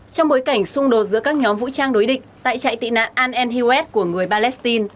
trong bối cảnh xung đột giữa các nhóm vũ trang đối địch tại chạy tị nạn al anhiwet của người palestine